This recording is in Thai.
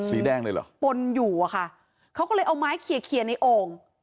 สีแดงเลยเหรอปนอยู่อะค่ะเขาก็เลยเอาไม้เคลียร์เคลียร์ในโอ่ง